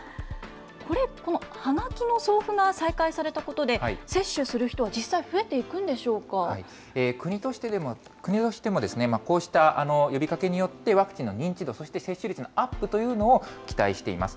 これ、このはがきの送付が再開されたことで、接種する人は実際増えてい国としてもですね、こうした呼びかけによって、ワクチンの認知度、そして接種率のアップというのを期待しています。